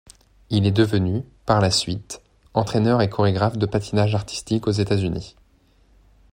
Il est devenu, par la suite, entraîneur et choréographe de patinage artistique aux États-Unis.